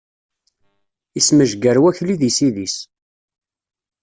Ismejger Wakli deg sid-is.